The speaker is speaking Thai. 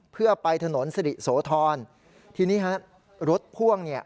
เพื่อไปถนนสิริโสธรทีนี้ฮะรถพ่วงเนี่ย